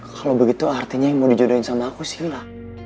kalau begitu artinya yang mau dijodohin sama aku sila